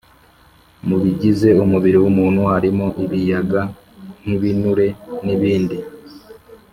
mu bigize umubiri w’umuntu habamo ibiyaga nk’ibinure n’ibindi